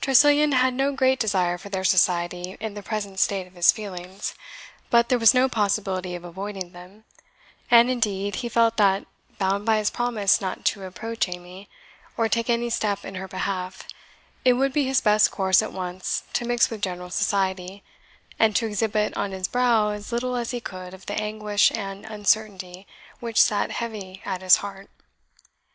Tressilian had no great desire for their society in the present state of his feelings, but there was no possibility of avoiding them; and indeed he felt that, bound by his promise not to approach Amy, or take any step in her behalf, it would be his best course at once to mix with general society, and to exhibit on his brow as little as he could of the anguish and uncertainty which sat heavy at his heart.